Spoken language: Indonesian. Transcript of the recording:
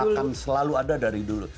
akan selalu ada dari dulu